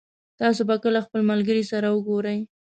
تاسو به کله خپل ملګري سره وګورئ